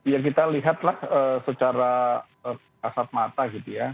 ya kita lihatlah secara kasat mata gitu ya